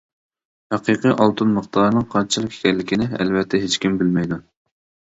ھەقىقىي ئالتۇن مىقدارىنىڭ قانچىلىك ئىكەنلىكىنى ئەلۋەتتە ھېچكىم بىلمەيدۇ.